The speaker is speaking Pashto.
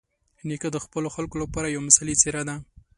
نیکه د خپلو خلکو لپاره یوه مثالي څېره ده.